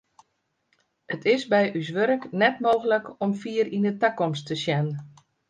It is by ús wurk net mooglik om fier yn de takomst te sjen.